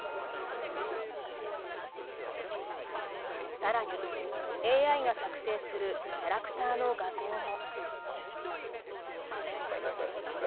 更に、ＡＩが作成するキャラクターの画像も。